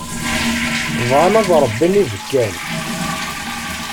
Bɣan ad ṛebbin ibekkan.